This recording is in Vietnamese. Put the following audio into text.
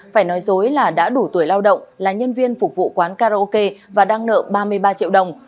phải nói dối là đã đủ tuổi lao động là nhân viên phục vụ quán karaoke và đang nợ ba mươi ba triệu đồng